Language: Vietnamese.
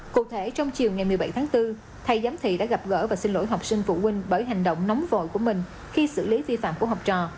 cụ thể trong chiều ngày một mươi bảy tháng bốn thầy giám thị đã gặp gỡ và xin lỗi học sinh phụ huynh bởi hành động nóng vội của mình khi xử lý vi phạm của học trò